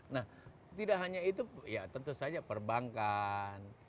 nah tidak hanya itu ya tentu saja perbankan